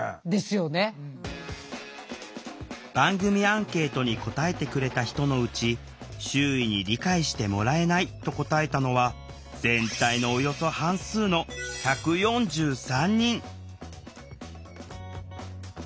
番組アンケートに答えてくれた人のうち「周囲に理解してもらえない」と答えたのは全体のおよそ半数の１４３人。